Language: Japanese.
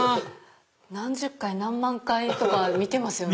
何十回何万回とか見てますよね。